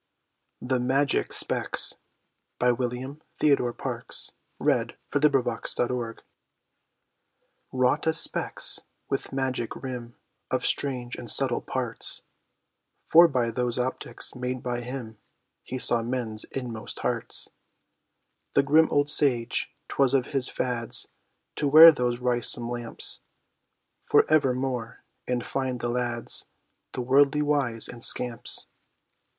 much spirits, you Have got D.T.'s and chills!" [Illustration: THE MAGIC SPECS] he WROUGHT a specs, with magic rim, of strange, and subtle parts, For by those optics made by him, he saw men's inmost hearts, The grim old sage, 'twas of his fads, to wear those wrysome lamps, For evermore, and find the lads, the worldly wise, and scamps.